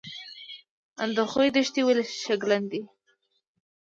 اندخوی دښتې ولې شګلن دي؟